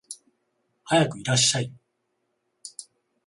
はやくいらっしゃい